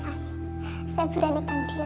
menetapkan nabi dalam hidup suamanya di java